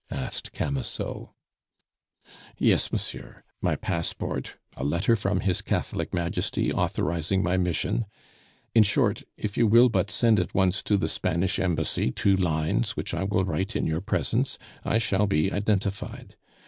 asked Camusot. "Yes, monsieur my passport, a letter from his Catholic Majesty authorizing my mission. In short, if you will but send at once to the Spanish Embassy two lines, which I will write in your presence, I shall be identified.